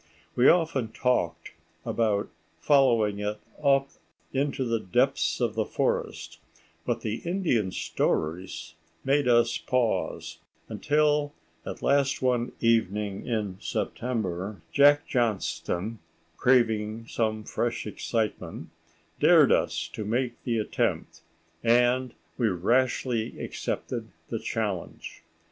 We often talked about following it up into the depths of the forest, but the Indian stories made us pause, until at last one evening in September, Jack Johnston, craving some fresh excitement, dared us to make the attempt, and we rashly accepted the challenge.